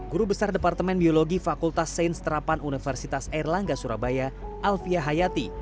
guru besar departemen biologi fakultas sains terapan universitas airlangga surabaya alfiah hayati